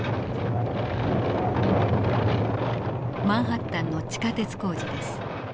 マンハッタンの地下鉄工事です。